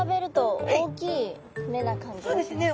そうですね